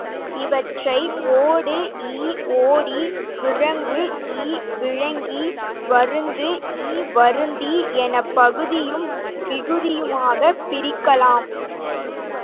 இவற்றை, ஓடு இ ஓடி, விழுங்கு இ விழுங்கி, வருந்து இ வருந்தி எனப் பகுதியும் விகுதியுமாகப் பிரிக்கலாம்.